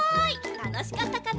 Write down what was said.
たのしかったかな？